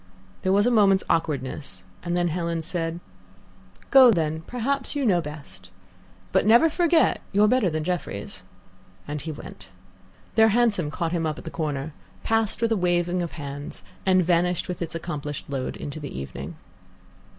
There was a moment's awkwardness, and then Helen said: "Go, then; perhaps you know best; but never forget you're better than Jefferies." And he went. Their hansom caught him up at the corner, passed with a waving of hands, and vanished with its accomplished load into the evening.